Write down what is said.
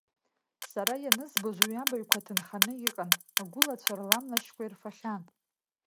Сара ианызбоз уи абаҩқәа аҭынханы иҟан, агәылацәа рла млашьқәа ирфахьан…